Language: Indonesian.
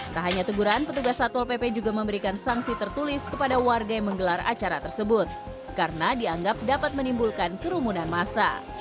tak hanya teguran petugas satpol pp juga memberikan sanksi tertulis kepada warga yang menggelar acara tersebut karena dianggap dapat menimbulkan kerumunan masa